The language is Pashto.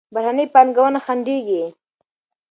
بهرني پانګونه خنډېږي.